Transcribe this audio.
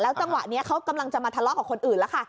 จังหวะนี้เขากำลังจะมาทะเลาะกับคนอื่นแล้วค่ะ